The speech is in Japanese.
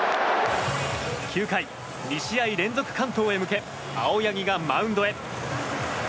９回、２試合連続完投へ向け青柳がマウンドへ。